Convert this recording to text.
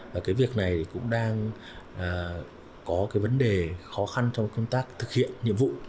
và cái việc này cũng đang có cái vấn đề khó khăn trong công tác thực hiện nhiệm vụ